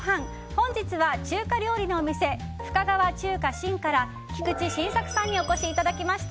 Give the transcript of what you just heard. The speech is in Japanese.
本日は中華料理のお店深川中華Ｓｈｉｎから菊池晋作さんにお越しいただきました。